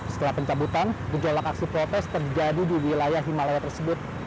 setelah pencabutan gejolak aksi protes terjadi di wilayah himalaya tersebut